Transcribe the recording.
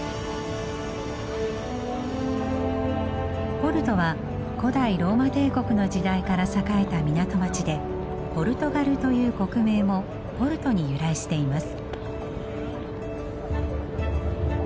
ポルトは古代ローマ帝国の時代から栄えた港町でポルトガルという国名もポルトに由来しています。